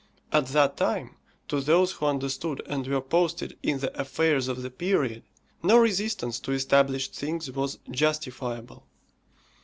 At that time, to those who understood and were posted in the affairs of the period, no resistance to established things was justifiable.